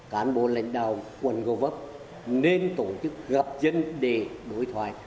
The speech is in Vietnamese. cán bộ lãnh đạo quận gò vấp nên tổ chức gặp dân để đối thoại